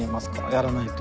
やらないと。